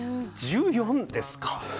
１４ですか？